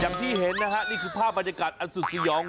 ยังพี่เห็นน่ะฮะคือภาพบรรยากาศสุดสยอง